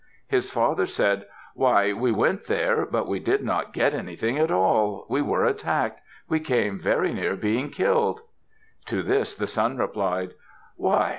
His father said, "Why! We went there, but we did not get anything at all. We were attacked. We came very near being killed." To this the son replied, "Why!